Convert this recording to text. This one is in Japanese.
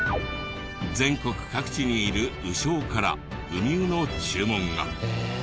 全国各地にいる鵜匠からウミウの注文が。